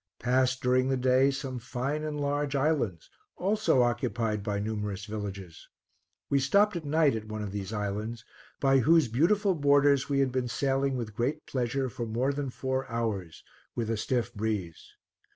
Passed, during the day, some fine and large islands, also occupied by numerous villages. We stopped at night at one of these islands, by whose beautiful borders we had been sailing with great pleasure for more than four hours, with a stiff breeze.